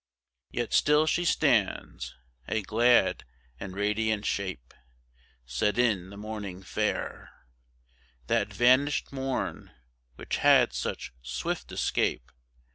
Yet still she stands, a glad and radiant shape, Set in the morning fair, That vanished morn which had such swift escape.